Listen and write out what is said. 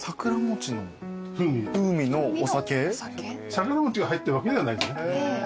桜餅が入ってるわけではない。